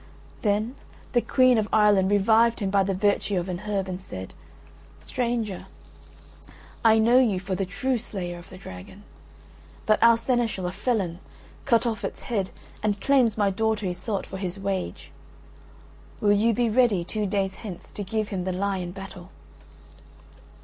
Then, the Queen of Ireland revived him by the virtue of an herb and said: "Stranger, I know you for the true slayer of the dragon: but our seneschal, a felon, cut off its head and claims my daughter Iseult for his wage; will you be ready two days hence to give him the lie in battle?"